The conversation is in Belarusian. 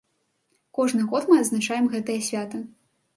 Кожны год мы адзначаем гэтае свята.